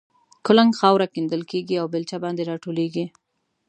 کولنګ خاوره کیندل کېږي او بېلچه باندې را ټولېږي.